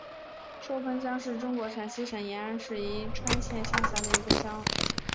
寿峰乡是中国陕西省延安市宜川县下辖的一个乡。